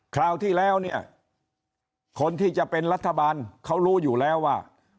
คราวที่แล้วเนี่ยคนที่จะเป็นรัฐบาลเขารู้อยู่แล้วว่า